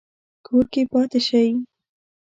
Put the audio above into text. کور کې پاتې شئ